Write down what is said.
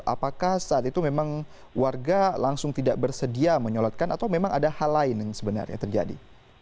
apakah saat itu memang warga langsung tidak bersedia menyolatkan atau memang ada hal lain yang sebenarnya terjadi